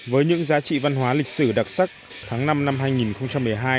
với những giá trị văn hóa lịch sử đặc sắc tháng năm năm hai nghìn một mươi hai